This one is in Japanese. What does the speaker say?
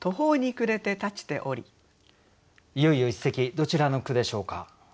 いよいよ一席どちらの句でしょうか？